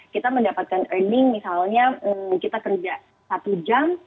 kita mendapatkan ending misalnya kita kerja satu jam